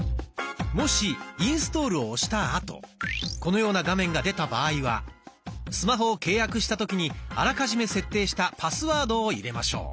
もし「インストール」を押した後このような画面が出た場合はスマホを契約した時にあらかじめ設定したパスワードを入れましょう。